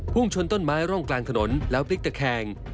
พ่วงชนต้นไม้ร่องกลางถนนแล้วปลิ๊กเตอร์แคง